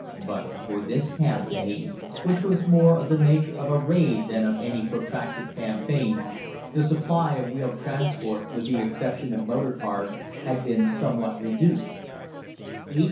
But for this campaign which was more of the nature of a raid than of any protracted campaign the supply of wheeled transport, with the exception of motor cars, had been somewhat reduced.